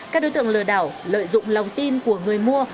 các đối tượng lừa đảo lợi dụng lòng tin của người mua